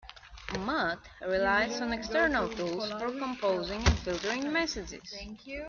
Mutt relies on external tools for composing and filtering messages.